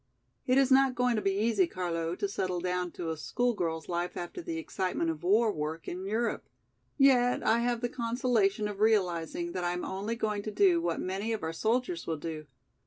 It is not going to be easy, Carlo, to settle down to a school girl's life after the excitement of war work in Europe. Yet I have the consolation of realizing that I am only going to do what many of our soldiers will do.